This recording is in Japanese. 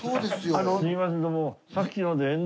すいませんどうも。